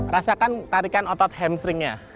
rasakan tarikan otot hamstringnya